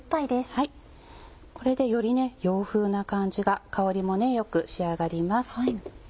これでより洋風な感じが香りも良く仕上がります。